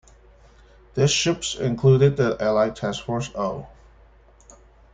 These ships included the Allied Task Force "O".